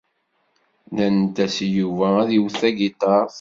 Nnant-as i Yuba ad iwet tagiṭart.